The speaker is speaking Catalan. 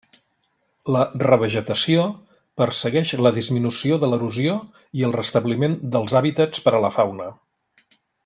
La revegetació persegueix la disminució de l'erosió i el restabliment dels hàbitats per a la fauna.